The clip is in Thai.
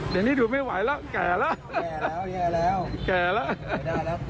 เดี๋ยวนี้ดูไม่ไหวแล้วแก่แล้วแก่แล้วแย่แล้วแก่แล้วไม่ได้แล้ว